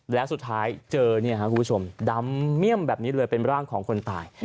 แล้วสุดท้ายเจอเนี่ยครับคุณผู้ชมดำเมี่ยมแบบนี้เลยเป็นร่างของคนตาย